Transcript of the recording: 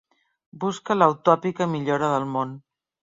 Busca la utòpica millora del món.